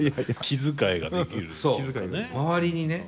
気遣いができるとかね。